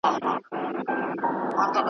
هره شپه به مي کتاب درسره مل وي .